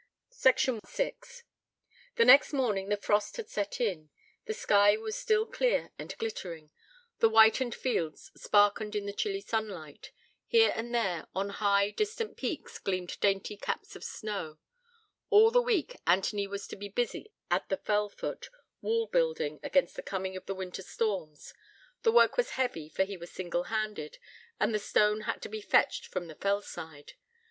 VI The next morning the frost had set in. The sky was still clear and glittering: the whitened fields sparkled in the chilly sunlight: here and there, on high, distant peaks, gleamed dainty caps of snow. All the week Anthony was to be busy at the fell foot, wall building against the coming of the winter storms: the work was heavy, for he was single handed, and the stone had to be fetched from off the fell side.